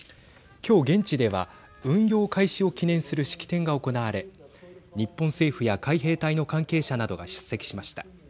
今日現地では運用開始を記念する式典が行われ日本政府や海兵隊の関係者などが出席しました。